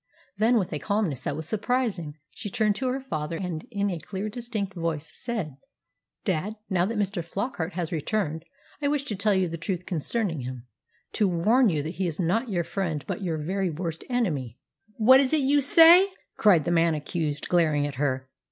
Then, with a calmness that was surprising, she turned to her father, and in a clear, distinct voice said, "Dad, now that Mr. Flockart has returned, I wish to tell you the truth concerning him to warn you that he is not your friend, but your very worst enemy!" "What is that you say?" cried the man accused, glaring at her.